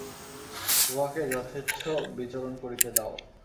উহাকে যথেচ্ছ বিচরণ করিতে দাও।